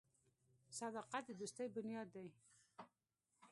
• صداقت د دوستۍ بنیاد دی.